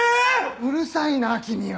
うるさいな君は。